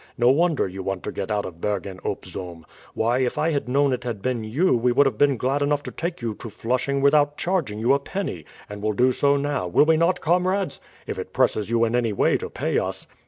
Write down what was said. No wonder you want to get out of Bergen op Zoom. Why, if I had known it had been you we would have been glad enough to take you to Flushing without charging you a penny, and will do so now will we not, comrades if it presses you in any way to pay us?"